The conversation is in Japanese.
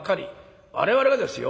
我々がですよ